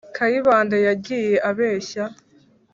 kayibanda yagiye abeshya